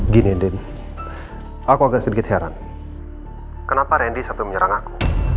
gini den aku agak sedikit heran kenapa randy sampai menyerang aku